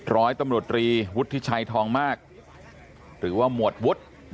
ร้อยตำรวจรีวุฒิชัยทองมากหรือว่าหมวดวุฒิ